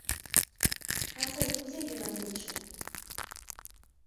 А тый кузе йӧратетше?